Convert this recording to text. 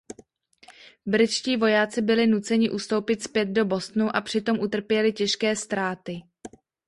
Britští vojáci byli nuceni ustoupit zpět do Bostonu a při tom utrpěli těžké ztráty.